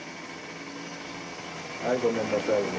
はいごめんなさいね。